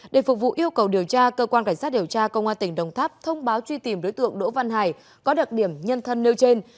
để phục vụ yêu cầu điều tra cơ quan cảnh sát điều tra công an tỉnh đồng tháp thông báo truy tìm đối tượng đỗ văn hải có đặc điểm nhân thân nêu trên